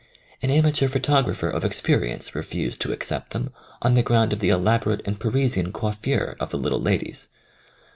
An amateur photographer of ex perience refused to accept them on the ground of the elaborate and Parisian coif fure of the little ladies.